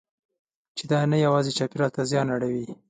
چې دا نه یوازې چاپېریال ته زیان اړوي.